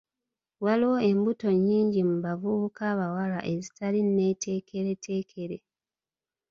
Waliwo embuto nnyingi mu bavubuka abawala ezitali neeteekereteekere.